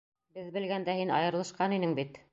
Беҙ белгәндә һин айырылышҡан инең бит.